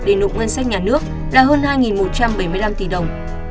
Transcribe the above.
để nộp ngân sách nhà nước là hơn hai một trăm bảy mươi năm tỷ đồng